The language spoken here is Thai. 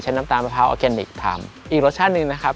น้ำตาลมะพร้าออร์แกนิคทำอีกรสชาติหนึ่งนะครับ